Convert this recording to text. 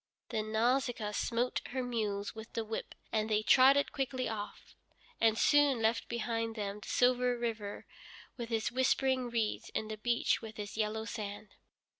Then Nausicaa smote her mules with the whip, and they trotted quickly off, and soon left behind them the silver river with its whispering reeds, and the beach with its yellow sand.